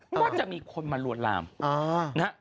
ก็จะมีคนมาลวนลามนะฮะ